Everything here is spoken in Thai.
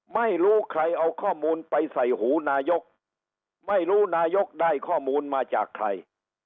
ไม่รู้ใครเอาข้อมูลไปใส่หูนายกไม่รู้นายกได้ข้อมูลมาจากใคร